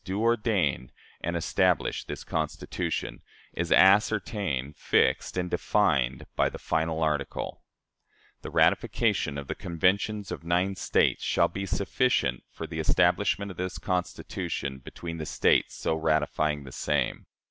do ordain and establish this Constitution," is ascertained, fixed, and defined by the final article: "The ratification of the conventions of nine States shall be sufficient for the establishment of this Constitution between the States so ratifying the same."